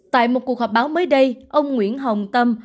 tại một cuộc họp báo mới đây ông nguyễn hồng tâm